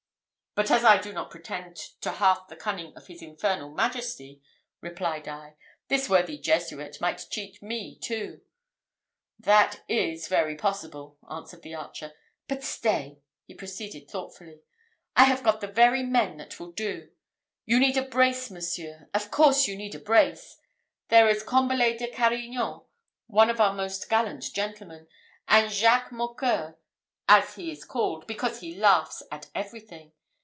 "But as I do not pretend to half the cunning of his infernal majesty," replied I, "this worthy Jesuit might cheat me too." "That is very possible," answered the archer. "But stay!" he proceeded thoughtfully. "I have got the very men that will do. You need a brace, monseigneur of course, you need a brace. There is Combalet de Carignan, one of our most gallant gentlemen, and Jacques Mocqueur, as he is called, because he laughs at everything.